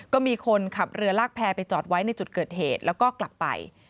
ก็มีคนขับเรือลากแพร่ไปจอดไว้ในจุดเกิดเหตุแล้วก็กลับไป